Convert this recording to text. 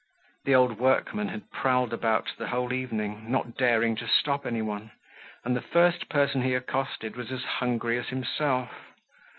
The old workman had prowled about the whole evening, not daring to stop anyone, and the first person he accosted was as hungry as himself.